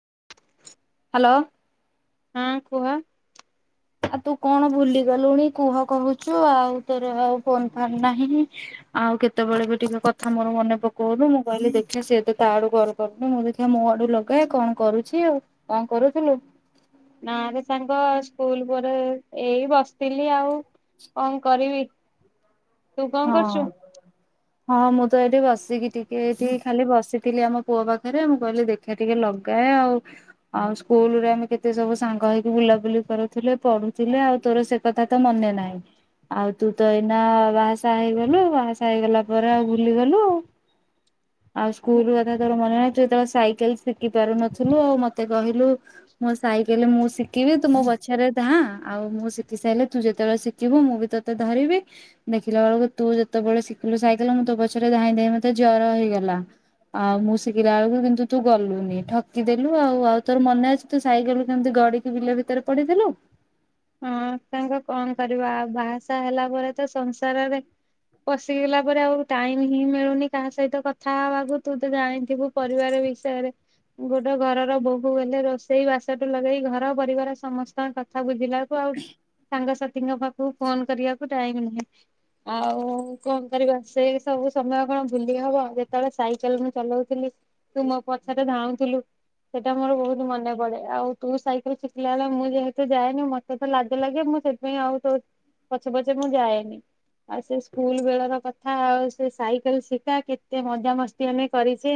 [unintelligible] Hello. ହଁ କୁହ। ଆଉ ତୁ କଣ ଭୁଲିଗଲୁଣି କୁହ କହୁଛୁ ଆଉ ତୋର ଆଉ ଫୋନ ଫନ୍ ନାହିଁ ଆଉ କେତେବେଳେ ବି ଟିକେ କଥା ମୋର ମନେ ପକଉନୁ ମୁଁ କହିଲି ଦେଖିବା ସିଏ ତ ତା ଆଡୁ କର କରୁନି ମୁଁ ଦେଖିବା ମୋ ଆଡୁ ଲଗା କଣ କରୁଛି ଆଉ କଣ କରୁଥିଲୁ। ନାଲେ ସାଙ୍ଗ ସ୍କୁଲ ପରେ ଏଇ ବସିଥିଲି ଆଉ। କଣ କରିବି? ତୁ କଣ କରୁଛୁ? ହଁ। ହଁ ମୁଁ ତ ଏଇଠି ବସିକି ଟିକେ ଏଠି ଖାଲି ବସିଥିଲି ଆମ ପୁଅ ପାଖରେ ମୁଁ କହିଲି ଦେଖେ ଟିକେ ଲଗାଏ ଆଉ ଆଉ ସ୍କୁଲରେ ଆମେ କେତେ ସବୁ ସାଙ୍ଗ ହେଇକି ବୁଲାବୁଲି କରୁଥିଲେ ପଢୁଥିଲେ ଆଉ ତୋର ସେ କଥା ତ ମନେ ନାହିଁ ଆଉ ତୁ ତ ଏଇନା ବା ହେଇଗଲୁ ବାସା ହେଇଗଲା ପରେ ଆଉ ଭୁଲି ଗଲୁ ଆଉ ସ୍କୁଲ କଥା ତର ମନେ ନାହି ତୁ ଯେତେବେଳେ ସାଇକେଲ ଶିଖି ପାରୁନଥିଲୁ ଆଉ ମତେ କହିଲୁ ମୋ ସାଇକେଲ ମୁଁ ଶିଖିବି ତୁ ମୋ ପଛାରେ ଧ ଆଉ ମୁଁ ଶିଖି ସାରିଲେ ତୁ ଯେତେବେଳେ ଶିଖିବୁ ମୁଁ ବି ତୋତେ ଧରିବି। ଶିଖିଲା ବେଳକୁ ତୁ ଯେତେବେଳେ ଶିଖିଲୁ ସାଇକେଲ ମୁଁ ତୋ ପଛରେ ଧାଇଁ ଧାଇଁ ମତେ ଜର ହେଇଗଲା ଆଉ ମୁଁ ଶିଖିଲା ବେଳକୁ କିନ୍ତୁ ତୁ ଗଲୁନି ଠକି ଦେଲୁ ଆଉ ଆଉ ତୋର ମନେ ଅଛି ତୁ ସାଇକେଲୁ କେମିତି ଗଡିକି ବିଲ ଭିତରେ ପଡିଦଲୁ। ହଁ ତାଙ୍କ କଣ କରିବା ଆଉ ବାହାସା ହେଲା ପରେ ତ ସଂସାରରେ ପଶିଗଲା ପରେ ଆଉ ଟାଇମ ହିଁ ମିଳୁନି କାହା ସହିତ କଥା ହବାକୁ ତୁ ତ ଜାଣିଥିବୁ ପରିବାର ବିଷୟରେ ଗୋଟେ ଘରର ବୋହୂ ଗଲେ ରୋଷେଇ ବାସଠୁ ଲଗେଇ ଘର ପରିବାର ସମସ୍ତଙ୍କ କଥା ବୁଝିଲ। ଆଉ ସାଙ୍ଗସଥି ଙ୍କ ପାଖକୁ ଫୋନ କରିବାକୁ ଟାଇମ ନାହିଁ ଆଉ କଣ କରିବା ସେ ସବୁ ସମୟ କଣ ଭୁଲି ହବ ଯେତେବେଳେ ସାଇକେଲ ମୁ ଚଲାଉଥିଲି ତୁ ମୋ ପଛଟରେ ଧଉଥିଲୁ ସେଇଟା ମୋର ବହୁତ ମନେ ପଡେ ଆଉ ତୁ ସାଇକେଲ ଶିଖିଲା ବେଳେ ମୁଁ ଯେହେତୁ ଯାଏନି ମେ ତ ଲଜ ଲାଗେ ମୁଁ ସେଥିାଇଁ ଆଉ ତ ପଛେ ପଛେ ମୁଁ ଯାଏନି ଆଉ ସେ ସ୍କୁଲ ବେଳର କଥା ଆଉ ସେ ସାଇକେଲ ଶିଖା କେତେ ମଜାାମସ୍ତି ଆମେ କରିଛେ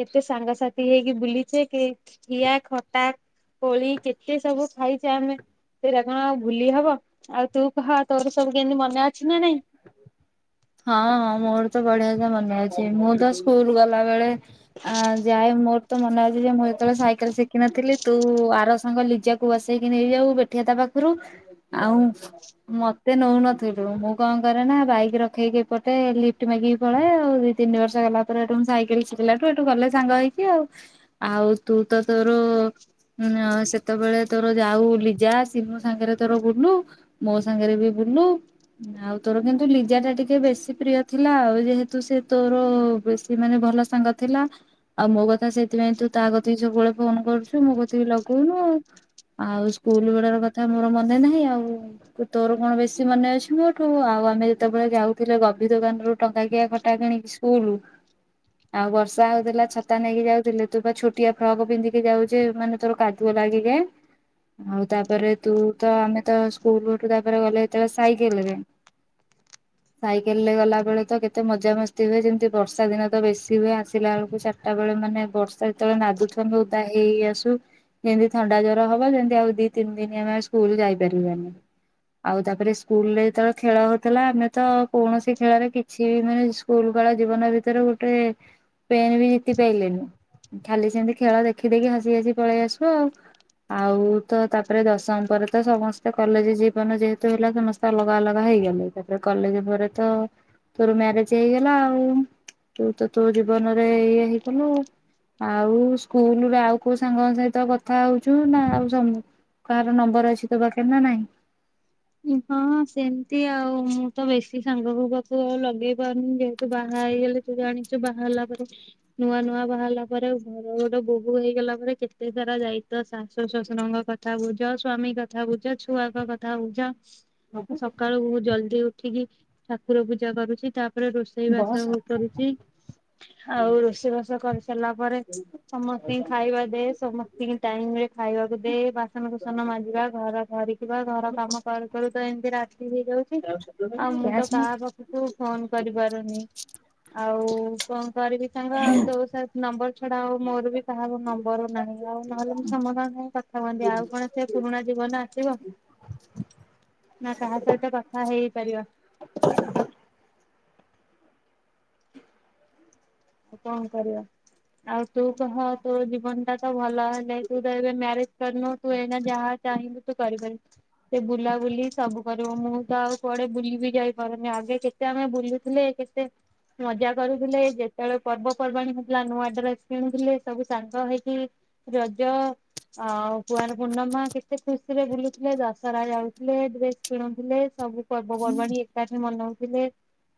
କେତେ ସାଙ୍ଗସାଥି ହେଇକି ବୁଲିଛେ ଖଠିଆ ଖଟା କୋଳି କେତେ ସବୁ ଖାଇଛେ ଆମେ ସେଇଟ କଣ ଆଉ ଭୁଲି ହବ ଆଉ ତୁ କହ ତୋର ସବୁ କେମିତି ମନ ହଁ ହଁ ମୋର ତ ବଢିଆ ମନେ ଅଛି ମୁଁ ତ ସ୍କୁଲ ଗଲା ବେଳେ ଅ ଯାଏ ମୋର ତ ମନାେ ଅଛି ଯେ ମୁଁ ଯେତେବେଳେ ସାଇକେଲ ଶିଖିିନଥିଲି ତୁ ଆର ସାଙ୍ଗ ଲିଜାକୁ ବସେଇକି ନେଇଯାଉୁ ବେଠିଆ ତା ପାଖରୁ ଆଉ ମତେ ନଉନଥିଲୁ ମୁଁ କଣ କରେ ନା ବାଇକ ରଖେଇକି ଏପଟେ ଲିଫ୍ଟ ମାଗିକି ପଳଏ ଆଉ ଦି ତିନି ବର୍ଷ ଗଲା ପରେଠୁ ସାଇକେଲ ଶିଖିଲାଠୁ ଏଠୁ ଗଲେ ସାଙ୍ଗ ହେଇକି ଆଉ ଆଉ ତୁ ତ ତୋର ସେତେବେଳେ ତୋର ଯାଉ ଲିଜା ସି ମୋ ସାଙ୍ଗରେ ତୋର ବୁଲୁ ମୋ ସାଙ୍ଗରେ ବି ବୁଲୁ ଆଉ ତୋର କିନ୍ତୁ ଲିଜା ଟା ଟିକେ ବେଶୀ ପ୍ରିୟ ଥିଲା ଆଉ ଯେହେତୁ ସେ ତୋର ବେଶୀ ମାନେ ଭଲ ସାଙ୍ଗ ଥିଲା ଆଉ ମୋ କଥା ସେଥିପାଇଁ ତୁ ତା କଥା ବି ସବୁବେଳେ ଫୋନ କରୁଛୁ ମୋ କଥା ବି ଲଗଉନୁ ଆଉ ଆଉ ସ୍କୁଲ ବେଳାର କଥା ମୋର ମନେ ନାହିଁ ଆଉ ତୋର କଣ ବେଶୀ ମନେ ଅଛି ୁଠୁ ଆଉ ଆମେ ଯେତେବେଳେ ଯାଉଥିଲେ ଗଭ ଦୋକାନରୁୁ ଟଙ୍କା କିିଆ ଖଟା କିଣିକି ସ୍କୁଲ ଆଉ ବର୍ଷା ହଉଥିଲା ଛତା ନେଇକି ଯାଉଥିଲେ ତୁ ବା ଛୋଟିଆ ଫ୍ରକ ପିନ୍ଧିକି ଯାଉଛେ ମାନେ ତୋର କାଦୁଅ ଲାଗିକା ଆଉ ତାପରେ ତୁ ତ ଆମେ ତ ସ୍କୁଲଠୁ ତାପରେ ଗଲେତେବେଳୋଇ ସାଇକେଲରେ ଗଲା ବେଳେ ତ କେତେ ମଜା ମସ୍ତି ହୁଏ ଯେମତି ବର୍ଷା ଦିନ ତ ବେଶୀ ହୁଏ ଆସିଲା ବେଳକୁ ଚାରିଟା ବେଳେ ମାନେ ବର୍ଷା ଯେତେବେଳେ ନାଦୁଥମେ ଉଦା ହେଇ ଆସୁ ଯେମିତି ଥଣ୍ଡା ଜ୍ର ହବ ସେମିତି ଆଉ ଦି ତିନି ଦିନ ଆମେ ସ୍କୁଲ ଯାଇପାରିବାନି ଆଉ ତାପରେ ସ୍କୁଲରେ ଯେତେବେଳେ ଖେଳ ହଉଥିଲା ଆମେ ତ କୌଣସି ଖେଳରେ କିଛି ବି ମାନେ ସ୍କୁଲ କାଳ ଜୀବନ ଭିତରେ ଗୋଟେ ପେନ ବି ଜିତି ପଲେନି ଖାଲି ସେମିତି ଖେଳ ଦେଖି ଦେଖି ହସି ହସି ପଳେଇ ଆସିବ ଆଉ ଆଉ ତ ତାପରେ ଦଶମ ପରେ ତ ସମସ୍ତେ କଲେଜ ଜୀବନ ଯେହେତୁ ହେଲା ସମସ୍ତେ ଅଲଗା ଅଲଗା ହେଇଗଲେ ତାପରେ କଲେଜ ପରେ ତ ତୋର ମ୍ୟାରେଜ ହେଇଗଲା ଆଉ ତୁ ତ ତୋ ଜୀବନରେ ଇଏ ହେଇଗଲୁ ଆଉ ସ୍କୁଲରେ ଆଉ କୋଉ ସାଙ୍ଗ ସହିତ କଥା ହଉଛୁ ନା ଆଉ କାହାର ନମ୍ବର ଅଛି ତୋ ବାକେ ନା ନାଇଁ ହଁ ସେମିତି ଆଉ ମୁଁ ତ ବେଶୀ ସାଙ୍ଗ ପାଖକୁ ଆଉ ଲଗେଇ ପାରୁନି ଯେହେତୁ ବାହା ହେଇଗଲେ ତୁ ଜାଣିଛୁ ବାହାହାର ହେଲା ପରେ ନୂଆ ନୂଆ ବାହାରିଲା ପରେ ଘର ଗୋଟେ ବୋହୂ ହେଇଗଲା ପରେ କେତେ ସାରା ଯାଇତ ଶାଶୁ ଶଶୁରଙ୍କ କଥା ବୁଝ ସ୍ୱାମୀ କଥା ବୁଝ ଛୁଆଙ୍କ କଥା ବୁଝ ସକାଳ ବହୁ ଜଲଦି ଉଠିକି ଠାକୁର ପୂଜା କରୁଛି ତା ରେ ରୋଷେଇ ବସ ବାସ କରୁଛି ଆଉ ରୋଷେଇ ବାସ କରି ସାରିଲା ପରେ ସମସ୍ତ ଙ୍କୁ ଖାଇବା ଦେ ସମସ୍ତ ଟାଇମ ରେ ଖାଇବାକୁ ଦେ ବାସନ ଫସନ ମଜିବା ଘର ଧରିକ ଘର କାମ କର କରୁ ତ ଏମିତି ରାତି ହେଇଯାଉଛି ଆଉ ମୁଁ ତ କ୍ୟାସ କାହା ପାଖକୁ ଫୋନ କରିପାରୁନି ଆଉ କଣ? ଗରିବ ସାଙ୍ଗ ଆଉ ତୋ ସହିତ ନମ୍ବର ଛଡା ଆଉ ମୋର ବି କାହାକୁ ନମ୍ବର ନାହିଁ ଆଉ ନହେଲେ ମୁଁ ସମସ୍ତଙ୍କ ସାଙ୍ଗ କଥା କୁହନ୍ତି ଆଉ କଣ ସେ ପୁରୁଣା ଜୀବନ ଆସିବ। ନା କାହା ସହିତ କଥା ହେଇପାରିବା। ଆଉ କଣ କରିବା? ଆଉ ତୁ କହ ତୋ ଜୀବନ ଟା ତ ଭଲ ହେଲେ ତୁ ତ ଏବେ ମ୍ୟାରେଜ କରିନୁ ତୁ ଏଇନା ଯାହା ଚାହିଁବୁ ତୁ କରିପାରିବୁ। ସେ ବୁଲାବୁଲି ସବୁ କରିବ ମୁଁ ତ ଆଉ କୁଆଡେ ବୁଲି ବି ଯାଇପାରୁନି ଆଗେ କେତେ ଆମେ ବୁଲୁଥିଲେ କେତେ ମଜା କରୁଥିଲେ ବେଳ ପର୍ବପର୍ବାଣ ହେଉଥିଲା ନୂଆ ଡ୍ରେସ୍ କିଣୁଥିଲେ ସବୁ ସାଙ୍ଗ ହେଇକି ରଜ ଆଉ କୁଆର ପୂର୍ଣ୍ଣିମା କେତେ ଖୁସିରେ ବୁଲୁଥିଲେ ଦଶହରା ଯାଉଥିଲେ ଡ୍ରେସ କିଣୁଥିଲେ ସବୁ ପର୍ବପର୍ବାଣିୀ ଏକାଠି ମନଉ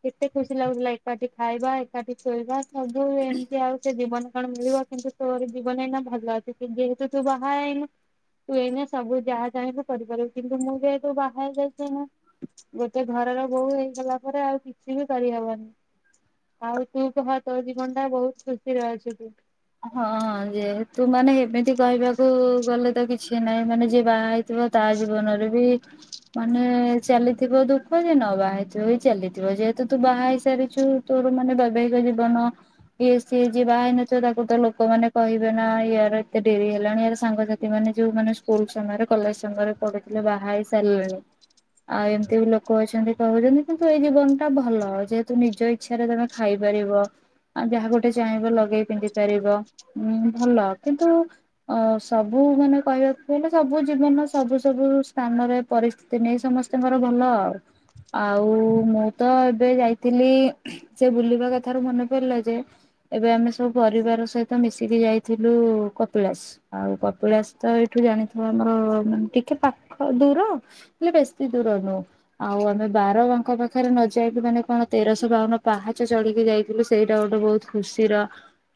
କେତେ ଖୁସି ଲାଗୁଥିଲା ଏକାଠି ଖାଇବା ଏକାଠି ଶୋଇବା। ସବୁ ଏମିତି ଆଉ। ଜୀବନ କଣ ମିଳିବ କିନ୍ତୁ ତୋର ଜୀବନ ଏଇନା ଭଲ ଅଛି ଯେହେତୁ ତୁ ବାହା ହେଇନୁ ତୁ ଏଇନା ସବୁ ଯାହା ଚାହିଁବୁ କରିପାରିବୁ ।କିନ୍ତୁ ମୁଁ ଯେହେତୁ ବାହା ହୋଇ ଯାଇଛି ଗୋଟେ ଘରର ବୋଉ ହେଇଗଲା ପରେ ଆଉ କିଛି ବି କରିହବନି ।ଆଉ, ତୁ କୁହ ତୋ ଜୀବନ ଟା ବହୁତ ଖୁସିରେ ଅଛୁ ତୁ [inaudible] ହଁଁ ଯେ ତୁ ମାନେ ଏମିତି କହିବାକୁ ଗଲେ ତ କିଛି ନାହିଁ। ମାନେ ଯିଏ ବାହା ହେଇଛି। ତା ଜୀବନରେ ବି, ମାନେ ଚାଲିଥିବ ଦୁଃଖ ଯେ, ନ ବାହା ହେଇଥିବ ବି ଚାଲିଥିବ ଯେହେତୁ ତୁ ବାହା ହେଇ ସାରିଛୁ ତୋର ମାନେ ବୈବାହିକ ଜୀବନ ଇଏ ସିଏ ଯିଏ ବାହା ହେଇନଥିବ ତାକୁ ତ ଲୋକମାନୋନ କହିବେ ନା ୟାର ଏତେ ଡେରି ହେଲାଣି ୟାର ସାଙ୍ଗସାଥି ମାନେ ଯୋଉ ମାନେ ସ୍କୁଲ ସମୟରେ କଲେଜ ସମୟରେ ପଢୁଥିଲେ ବାହା ହେଇ ସାରିଲେଣି ଆଉ ଏମିତି ବି ଲୋକ ଅଛନ୍ତି କହୁଛନ୍ତି କିନ୍ତୁ ଏଇ ଜୀବନ ଟା ଭଲ। ଯେହେତୁ, ନିଜ ଇଚ୍ଛାରେ ଖାଇପାରିବ ଆଉ ଯାହା ଗୋଟେ ଚାହିଁବ ଲଗେଇ, ପିନ୍ଧି ପାରିବ ଉଁ ଭଲ କିନ୍ତୁ ସବୁ ମାନେ କହିବାକୁ ହେଲେ ସବୁ ଜୀବନ ସବୁ ସବୁ ସ୍ଥାନରେ ପରିସ୍ଥିତି ନେଇ ସମସ୍ତଙ୍କର ଭଲ ଆଉ। ଆଉ ମୁଁ ତ ଏବେ ଯାଇଥିଲି ସେ ବୁଲିବା କଥାରୁ ମନେ ପଡ଼ିଲା ଯେ ଏବେ ଆମେ ସବୁ ପରିବାର ସହିତ ମିଶିକି ଯାଇଥିଲୁ କପିଳାସ ।ଆଉ କପିଳାସ ତ ଏଇଠୁ ଜାଣିଥିବା ଆମର ଟିକେ ପାଖ ଦୂର ହେଲେ ବେଶୀ ଦୂର ନୁହଁ ଆଉ ଆମେ ବାର [unintelligible] ମାଙ୍କ ପାଖରେ ନ ଯାଇକୁ ମାନେ କଣ ତେରଶହ ବାଉନ ପାହାଚ ଚଢିକି ଯାଇଥିଲୁ। ସେଇଟା ଗୋଟେ ବହୁତ ଖୁସିର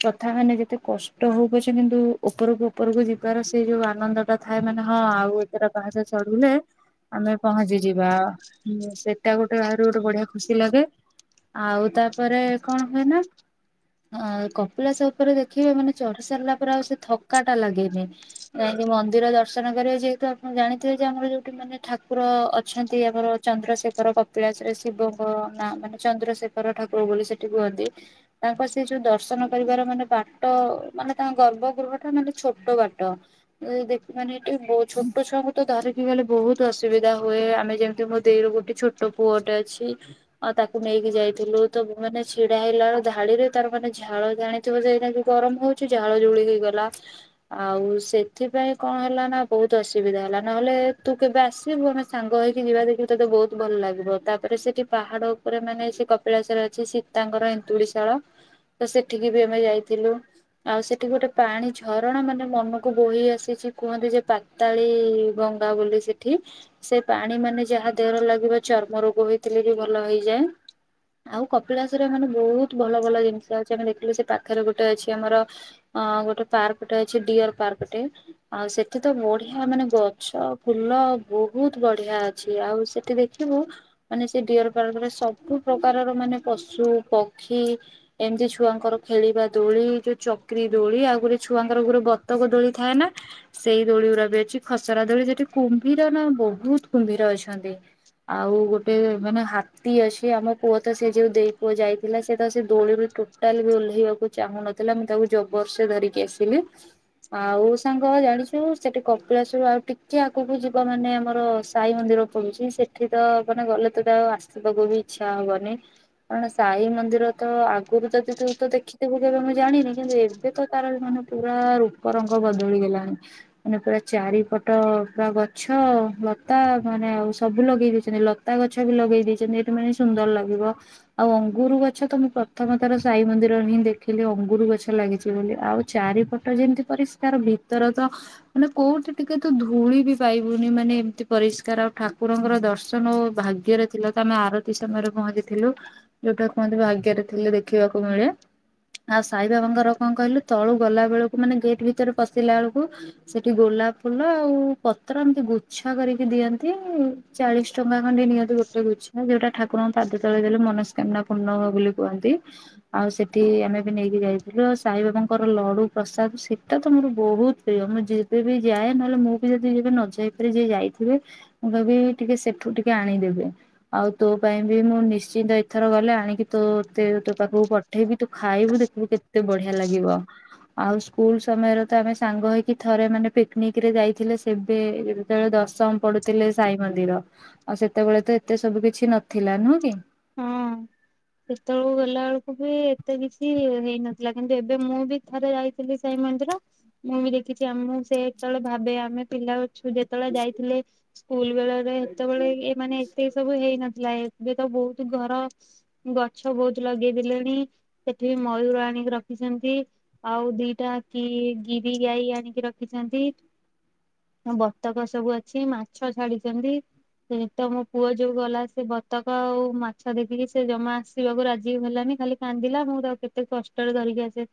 କଥା ମାନେ ଯେତେ କଷ୍ଟ ହଉ ପଛେ କିନ୍ତୁ ଉପରକୁ ଉପରକୁ ଯିବାର ସେଇ ଯୋଉ ଆନନ୍ଦ ଟା ଥାଏ ମାନେ ହଁ ଆଉ ଏଥର ପାହାଚ ଚଢ଼ିଲେ ଆମେ ପହଞ୍ଚି ଯିବା, ସେଇଟା ଗୋଟେ ବାହାରୁ ଗୋଟେ ବଢିଆ ଖୁସି ଲାଗେ। ଆଉ ତାପରେ କଣ ହୁଏ ନା କପିଳାସ ଉପରେ ଦେଖିବେ ମାନେ ଚଢି ସାରିଲା ପରେ ଆଉ ସେ ଥକା ଟା ଲାଗେନି ନାଇଁକି ମନ୍ଦିର ଦର୍ଶନ କରିବା ଯେହେତୁ ଆପଣ ଜାଣିଥିବେ ଯେ ଆମର ଯୋଉଠି ମାନେ ଠାକୁର ଅଛନ୍ତି ଆମର ଚନ୍ଦ୍ରଶେଖର କପିଳାସ ରେ ଶିବଙ୍କ ନାଁ ମାନେ ଚନ୍ଦ୍ରଶେଖର ଠାକୁର ବୋଲି ସେଠି କୁହନ୍ତି। ତାଙ୍କ ସେ ଯୋଉ ଦର୍ଶନ ପରିବାର ମାନେ ବାଟ ମାନେ ତାଙ୍କ ଗର୍ଭ ଗୃହ ଟା ମାନେ ଛୋଟ ବାଟ ଦେଖ ମାନେ ଏଠି ଛୋଟ ଛୁଆଙ୍କୁ ତ ଧରିକି ଗଲେ ବହୁତ ଅସୁବିଧା ହୁଏ। ଆମେ ଯେମିତି ମୋ ଦେଇ ର ଗୋଟେ ଛୋଟ ପୁଅଟେ ଅଛି ତାକୁ ନେଇକି ଯାଇଥିଲୁ ତ ମାନେ ଛିଡା ହେଲା ବେଳେ ଧାଡିରେ ତାର ମାନେ ଝାଳ, ଜାଣିଥିବ ସେଇଟା ତ ଗରମ ହଉଛିୁ ଝାଳ ଝୁଳି ହେଇଗଲା ।ଆଉ ସେଥିପାଇଁ କଣ ହେଲା ନା ବହୁତ ଅସୁବିଧା ହେଲା ନହେଲେ ତୁ କେବେ ଆସିବୁ ଆମେ ସାଙ୍ଗ ହେଇକି ଯିବା ଦେଖିବୁ ତତେ ବହୁତ ଭଲ ଲାଗିବ ତାପରେ ସେଠି ପାହାଡ ଉପରେ ମାନେ ସେ କପିଳାସରେ ଅଛି ସୀତାଙ୍କର ଏନ୍ତୁଡ଼ିଶାଳ ।ତ ସେ ସେଠିକି ବି ଆମେ ଯାଇଥିଲୁ। ଆଉ ସେଠି ଗୋଟେ ପାଣି ଝରଣା ମାନେ ମନକୁ ବୋହି ଆସିଛି କୁହନ୍ତି ଯେ ପାତାଳୀ ଗଙ୍ଗା ବୋଲି ସେଠି ସେ ପାଣି ମାନେ ଯାହା ଦେହର ଲାଗିବ ଚର୍ମ ରୋଗ ହୋଇଥିଲେ ଯେ ଭଲ ହେଇଯାଏ। ଆଉ କପିଳାସ ରେ ମାନେ ବହୁତ ଭଲ ଭଲ ଜିନିଷ ଅଛି। ଆମେ ଦେଖିଲୁ ସେ ପାଖରେ ଗୋଟେ ଅଛି ଆମର ଅ ଗୋଟେ ପାର୍କଟେ ଅଛି ଡିଅର ପାର୍କଟେ ଆଉ ସେଠି ତ ବଢିଆ ମାନେ ଗଛ ଫୁଲ ବହୁତ ବଢିଆ ଅଛି ।ଆଉ ସେଠି ଦେଖିବୁ ମାନେ ସେ ଡିଅର ପାର୍କରେ ସବୁ ପ୍ରକାରର ମାନେ ପଶୁ, ପକ୍ଷୀ ଏମତି ଛୁଆଙ୍କର ଖେଳିବା ଦୋଳି ଯୋଉ ଚକରି ଦୋଳି ଆଉ ଗୋଟେ ଛୁଆଙ୍କର ଗୋଟେ ବତକ ଦୋଳି ଥାଏ ନା ସେଇ ଦୋଳି ଗୁଡା ବି ଅଛି ଖସରା ଦୋଳି ସେଠି କୁମ୍ଭୀର ନା ବହୁତ କୁମ୍ଭୀର ଅଛନ୍ତି ଆଉ ଗୋଟେ ମାନେ ହାତୀ ଅଛି ।ଆମ ପୁଅ ତ ସେ ଯୋଉ ଦେଇ ପୁଅ ଯାଇଥିଲା ସେ ତ, ସେ ଦୋଳି ଓହ୍ଲେଇବାକୁ ଚାହୁନଥିଲା ।ମୁଁ ତାକୁ ଜବରଦସ୍ତି ଧରିକି ଆସିଲି ।ଆଉ ସାଙ୍ଗ ଜାଣିଛୁ ସେଠି କପିଳାସରୁ ଆଉ ଟିକେ ଆଗକୁ ଯିବା ମାନେ ଆମର ସାଇ ମନ୍ଦିର ପଡୁଛି ସେଠି ତ ମାନେ ଗଲେ ତ ଆଉ ଆସିବାକୁ ବି ଇଚ୍ଛା ହବନି ।କାରଣ ସାଇ ମନ୍ଦିର ତ ଆଗରୁ ତ ସେ ତୁ ତ ଦେଖିଥିବୁ କେବେ ମୁଁ ଜାଣିନି କିନ୍ତୁ ଏବେ ତ ତାର ମାନେ ପୁରା ରୂପ ରଙ୍ଗ ବଦଳିଗଲାଣି ।ମାନେ ପୁରା ଚାରିପଟ ପୁରା ଗଛ ଲତା ମାନେ ଆଉ ସବୁ ଲଗେଇ ଦେଇଛନ୍ତି ।ଲତା ଗଛ ବି ଲଗେଇ ଦେଇଛନ୍ତି ଏଇଠି ମାନେ ସୁନ୍ଦର ଲାଗିବ ଆଉ ଅଙ୍ଗୁର ଗଛ ତ ମୁଁ ପ୍ରଥମ ଥର ସାଇ ମନ୍ଦିର ହିଁ ଦେଖିଲି ଅଙ୍ଗୁର ଗଛ ଲାଗିଛି ବୋଲି। ଆଉ ଚାରିପଟ ଯେମିତି ପରିଷ୍କାର ଭିତର ତ ମାନେ କୋଉଠି ଟିକେ ତ ଧୂଳି ବି ପାଇବୁନି ।ମାନେ ଏମିତି ପରିଷ୍କାର ଆଉ ଠାକୁରଙ୍କର ଦର୍ଶନ ଭାଗ୍ୟରେ ଥିଲା ତ ଆମେ ଆରତି ସମୟରେ ପହଞ୍ଚିଥିଲୁ । ଯୋଉଟା କୁହନ୍ତିୁ ଭାଗ୍ୟରେ ଥିଲେ ଦେଖିବାକୁ ମିଳେ ଆଉ ସାଇ ବାବାଙ୍କର କଣ କହିଲୁ ତଳୁ ଗଲା ବେଳକୁ ମାନେ ଗେଟ୍ ଭିତରେ ପଶିଲା ବେଳକୁ ସେଠି ଗୋଲାପ ଫୁଲ ଆଉ ପତ୍ର ଏମିତି ଗୁଚ୍ଛା କରିକି ଦିଅନ୍ତି ଚାଳିଶ ଟଙ୍କା ଖଣ୍ଡେ ନିଅନ୍ତି। ଗୋଟେ ଗୁଚ୍ଛା ଯୋଉଟା ଠାକୁରଙ୍କ ପାଦ ତଳେ ଦେଲେ ମନସ୍କାମନା ପୂର୍ଣ ବୋଲି କୁହନ୍ତି। ଆଉ ସେଠି ଆମେ ବି ନେଇକି ଯାଇଥିଲୁ ଆଉ ସାଇ ବାବାଙ୍କର ଲଡୁ ପ୍ରସାଦ ସେଇଟା ତ ମୋର ବହୁତ ପ୍ରିୟ ମୁଁ ଯେବେବି ଯାଏ ନହେଲେ ମୁଁ ବି ଯଦି ଯେବେ ନ ଯାଇପାରି ଯିଏ ଯାଇଥିବେ ମୁଁ କୁହେ ଟିକେ ସେଠୁ ଟିକେ ଆଣିଦେବେ। ଆଉ ତୋ ପାଇଁ ବି ମୁଁ ନିଶ୍ଚିନ୍ତ ଏଥର ଗଲେ ଆଣିକି ତୋତେ, ପାଖକୁ ପଠେଇବି ତୁ ଖାଇବୁ ଦେଖିବୁ କେତେ ବଢିଆ ଲାଗିବ। ଆଉ ସ୍କୁଲ ସମୟରେ ତ ଆମେ ସାଙ୍ଗ ହେଇକି ଥରେ ମାନେ ପିକନିକ ରେ ଯାଇଥିଲେ ସେବେ ଯେତେବେଳେ ଦଶମ ପଡୁଥିଲେ। ସାଇ ମନ୍ଦିର ଆଉ ସେତେବେଳେ ତ ଏତେ ସବୁ କିଛି ନଥିଲା। ନୁହେଁ କି? ହଁ ସେତେବେଳକୁ ଗଲା ବେଳକୁ ବି ଏତେ କିଛି ହେଇନଥିଲା। କିନ୍ତୁ ଏବେ ମୁଁ ବି ଥରେ ଯାଇଥିଲି ସାଇ ମନ୍ଦିର। ମୁଁ ବି ଦେଖିଛି ଆମ ସେ ଯେତେବେଳେ ଭାବେ ଆମେ ପିଲା ଯେତେବେଳେ ଯାଇଥିଲେ ସ୍କୁଲ ବେଳାରେ ଏତେ ବେଳେ ଏ ମାନେ ଏତକ ସବୁ ହେଇନଥିଲା। ଲାଇଟ ବି ତ ବହୁତ ଘର ଗଛ ବହୁତ ଲଗେଇ ଦେଲେଣି ।ସେଠି ମୟୂର ଆଣିକି ରଖିଛନ୍ତି ।ଆଉ ଦିଟା କି ଗିରି ଗାଈ ଆଣିକି ରଖିଛନ୍ତି ।ବତକ ସବୁ ଅଛି ମାଛ ଛାଡିଛନ୍ତି। ସେ ତ ମମୋ ପୁଅ ଯୋଉ ଗଲା ସେ ବତକ ଆଉ ମାଛ ଦେଖିକି ସେ ଜମା ଆସିବାକୁ ରାଜି ହେଲାନି ଖାଲି କାନ୍ଦିଲା ମୁଁ ତାକୁ କେତେ କଷ୍ଟରେ ଧରିକି ଆସିଲି।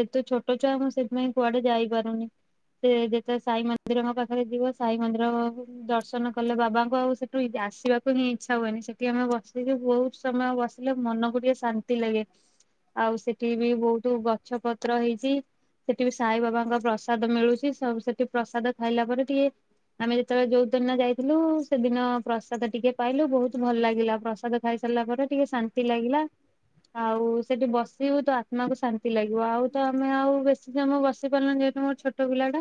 ଏତେ ଛୋଟ ଛୁଆ ମୁଁ ସେଥିପାଇଁ କୁଆଡେ ଯାଇପାରୁନି ।ସେ ଯେତେବେଳେ ସାଇ ମନ୍ଦିରଙ୍କ ପାଖରେ ଯିବ ସାଇ ମନ୍ଦିର ଦର୍ଶନ କଲେ ବାବାଙ୍କୁ ଆଉ ସେଠୁ ଆସିବାକୁ ହିଁ ଇଚ୍ଛା ହୁଏନି ।ସେଠି ଆମେ ବସି ସେ ବହୁତ ସମୟ ବସିଲେ ମନକୁ ଟିକେ ଶାନ୍ତି ଲାଗେ। ଆଉ ସେଠି ବି ବହୁତ ଗଛ ପତ୍ର ହେଇଛି ସେଠି ବି ସାଇ ବାବାଙ୍କ ପ୍ରସାଦ ମିଳୁଛି। ସେଠି ପ୍ରସାଦ ଖାଇଲା ପରେ ଟିକେ ଆମେ ଯେତେବେଳେ ଯୋଉଦିନ ଯାଇଥିଲୁ ସେଦିନ ପ୍ରସାଦ ଟିକେ ପାଇଲୁ ବହୁତ ଭଲ ଲାଗିଲା। ପ୍ରସାଦ ଖାଇ ସାରିଲା ପରେ ଟିକେ ଶାନ୍ତି ଲାଗିଲା ।ଆଉ ସେଠି ବସିବୁ ତ ଆତ୍ମାକୁ ଶାନ୍ତି ଲାଗିବ ଆଉ ତ ଆମେ ଆଉ ବେଶୀ ସମୟ ପାରିଲ ଯେହେତୁ ମୋର ଛୋଟ ପିଲା ଟା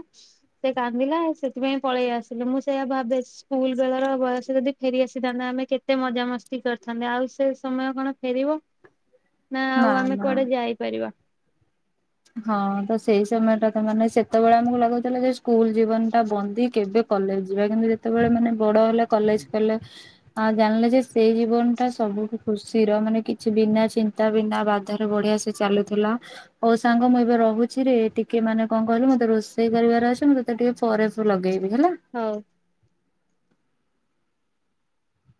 ସେ କାନ୍ଦିଲା ସେଥିପାଇଁ ପଳେଇ ଆସିଲୁ। ମୁଁ ସେଇଆ ଭାବେ ସ୍କୁଲ ବେଳର ବୟସ ଯଦି ଫେରିଆସିଥାନ୍ତା ଆମେ କେତେ ମଜା ମସ୍ତି କରିଥାନ୍ତେ ଆଉ ସେ ସମୟ କଣ ଫେରିବ। ନା ଆଉ ଆମେ କୁଆଡେ ଯାଇପାରିବା। ହଁ ତ ସେଇ ସମୟ ଟା ତ ମାନେ ସେତେବେଳେ ଆମକୁ ଲାଗୁଥିଲା ସ୍କୁଲ ଜୀବନ ଟା ବନ୍ଦି କେବେ କଲେଜ ଯିବା କିନ୍ତୁ ଯେତେବେଳେ ମାନେ ବଡ଼ ହେଲେ କଲେଜ କଲେ ଆ ଜାଣିଲେ ଯେ ସେଇ ଜୀବନ ଟା ସବୁଠୁ ଖୁସିର ମାନେ କିଛି ବିନା ଚିନ୍ତା ବିନା ବାଧାରେ ବଢିଆ ସେ ଚାଲୁଥିଲା। ଯୋଉ ସାଙ୍ଗ ମୁଁ ଏବେ ରହୁଛି ରେ ଟିକେ ମାନେ କଣ କହିଲେ ମତେ ରୋଷେଇ କରିବାର ଅଛି ମୁଁ ତତେ ଟିକେ ପରେ ଲଗେଇବି। ବଖିଲ ହଉ। [inaudible]